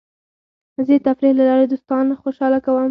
زه د تفریح له لارې دوستان خوشحاله کوم.